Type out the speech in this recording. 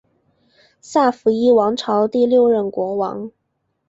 萨伏伊王朝第六任国王。